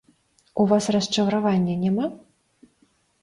У вас расчаравання няма?